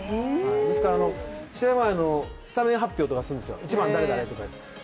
ですから試合前、スタメン発表とかするんですよ、１番誰々とかって。